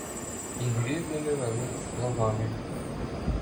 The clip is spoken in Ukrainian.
І грізними велить словами